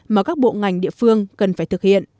mà các bộ ngành địa phương cần phải thực hiện